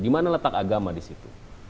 di mana letak agama di situ